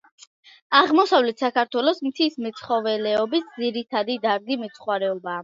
აღმოსავლეთ საქართველოს მთის მეცხოველეობის ძირითადი დარგი მეცხვარეობაა.